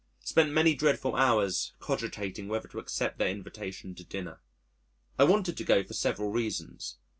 Spent many dreadful hours cogitating whether to accept their invitation to dinner.... I wanted to go for several reasons.